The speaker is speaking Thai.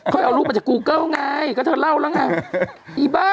กูเก่าไงก็จะเล่าแล้วไง